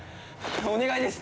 お願いです！